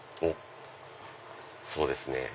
そうですね。